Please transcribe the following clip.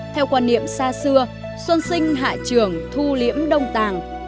theo quan niệm xa xưa xuân sinh hạ trường thu liễm đông tàng